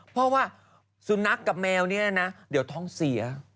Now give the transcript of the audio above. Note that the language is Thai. เพราะว่าสุนัขกับแมวเนี่ยนะเดี๋ยวท้องเสีย